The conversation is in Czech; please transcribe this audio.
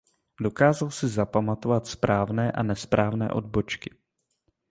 Dokázal si zapamatovat správné a nesprávné odbočky.